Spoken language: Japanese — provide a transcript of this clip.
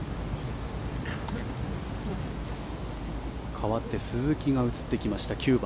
かわって鈴木が映ってきました、９番。